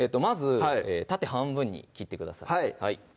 まず縦半分に切ってください